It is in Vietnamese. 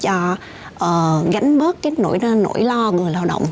cho gánh bớt cái nỗi lo người lao động